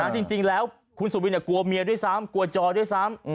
จริงแล้วคุณสุบินกลัวเมียด้วยซ้ำกลัวจอด้วยซ้ำ